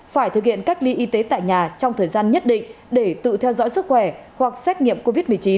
phải thực hiện cách ly y tế tại nhà trong thời gian nhất định để tự theo dõi sức khỏe hoặc xét nghiệm covid một mươi chín